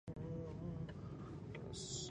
بریدمنه، ته هم راشه، تا به هم سوسیالیست کړو.